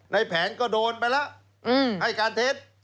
ในแผนก็โดนไปแล้วให้การเท็จ